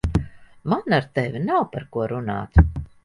Man ar tevi nav par ko runāt.